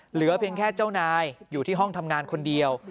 เหลือเพียงแค่เจ้านายอยู่ที่ห้องทำงานคนเดียว